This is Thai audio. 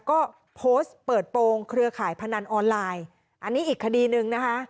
ก็โพสต์เปิดโปรงเครือข่ายพนันออนไลน์อันนี้อีกคดีหนึ่งนะคะ